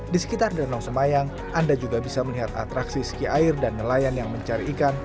di sekitar danau semayang anda juga bisa melihat atraksi ski air dan nelayan yang mencari ikan